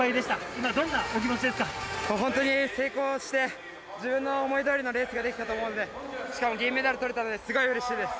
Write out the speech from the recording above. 今、本当に成功して、自分の思いどおりのレースができたと思うんで、しかも銀メダルとれたのですごいうれしいです。